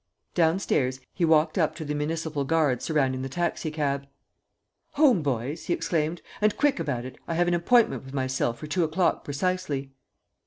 Downstairs, he walked up to the municipal guards surrounding the taxi cab: "Home, boys," he exclaimed, "and quick about it! I have an appointment with myself for two o'clock precisely."